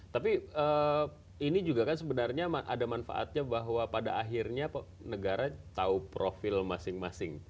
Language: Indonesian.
tapi ini juga kan sebenarnya ada manfaatnya bahwa pada akhirnya negara tahu profil masing masing